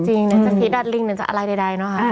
จริงจะพีดดัชลิงจากอะไรใดนะคะ